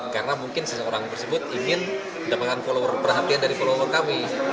karena mungkin seseorang tersebut ingin mendapatkan follower perhatian dari follower kami